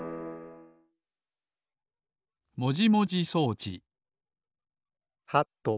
もじもじそうちはとぽ。